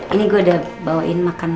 ini gue udah bawain makanan